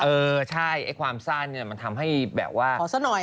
เออใช่ความสารมันทำให้แบบว่า